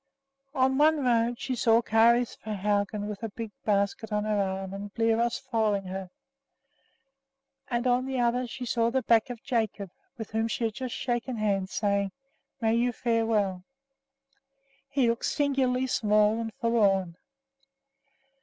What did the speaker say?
On one road she saw Kari Svehaugen with a big basket on her arm and Bliros following her; and on the other she saw the back of Jacob, with whom she had just shaken hands, saying, "May you fare well." He looked singularly small and forlorn.